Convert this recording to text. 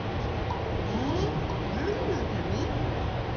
えなんのため？